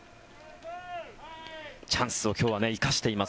チャンスを今日は生かしています